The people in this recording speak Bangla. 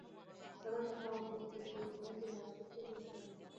তাঁদের কথাও দেখি অনেক জমে আছে, কিছুতেই শেষ হয় না।